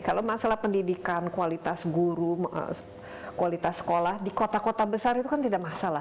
kalau masalah pendidikan kualitas guru kualitas sekolah di kota kota besar itu kan tidak masalah